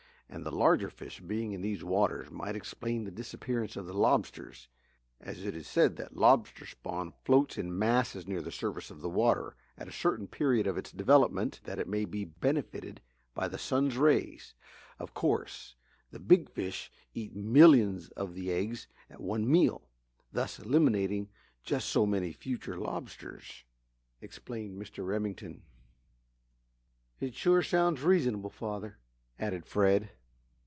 And the larger fish being in these waters might explain the disappearance of the lobsters as it is said that lobster spawn floats in masses near the surface of the water at a certain period of its development that it may be benefited by the sun rays. Of course, the big fish eat millions of the eggs at one meal, thus eliminating just so many future lobsters," explained Mr. Remington. "It sure sounds reasonable, father," added Fred.